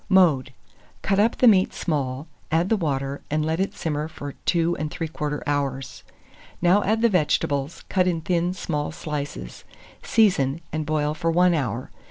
Mode. Cut up the meat small, add the water, and let it simmer for 23/4 hours. Now add the vegetables, cut in thin small slices; season, and boil for 1 hour.